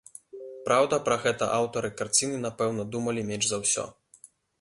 Праўда, пра гэта аўтары карціны, напэўна, думалі менш за ўсё.